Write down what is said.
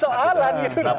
itu persoalan gitu